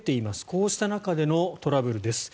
こうした中でのトラブルです。